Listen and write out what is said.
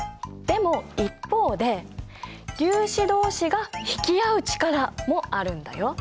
でも一方で「粒子どうしが引き合う力」もあるんだよ。